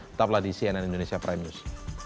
tetaplah di cnn indonesia prime news